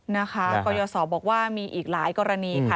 นะคะกรยศบอกว่ามีอีกหลายกรณีค่ะ